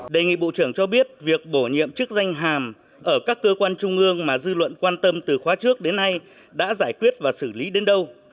đề nghị bộ trưởng cho biết việc bổ nhiệm chức danh hàm ở các cơ quan trung ương mà dư luận quan tâm từ khóa trước đến nay đã giải quyết và xử lý đến đâu